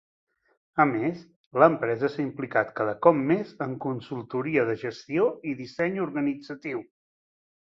A més, l'empresa s'ha implicat cada cop més en consultoria de gestió i disseny organitzatiu.